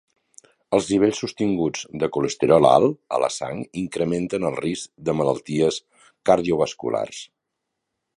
Els nivells sostinguts de colesterol alt a la sang incrementen el risc de malalties cardiovasculars.